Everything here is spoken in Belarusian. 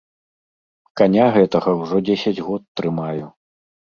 Каня гэтага ўжо дзесяць год трымаю.